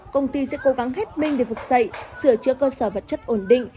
công ty sẽ cố gắng hết minh để phục dậy sửa chữa cơ sở vật chất ổn định